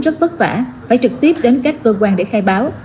rất vất vả phải trực tiếp đến các cơ quan để khai báo